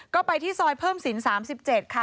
ก็ไปที่ซอยเพิ่มศิลป์๓๗ค่ะ